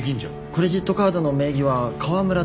クレジットカードの名義は河村貴司ですね。